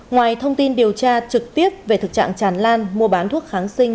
ngoài thông tin điều tra trực tiếp về thực trạng tràn lan mua bán thuốc kháng sinh